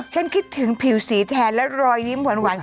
ฉันคิดถึงผิวสีแทนแล้วรอยยิ้มหวานของกุน